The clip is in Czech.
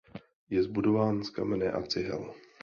Je zbudován z kamene a cihel.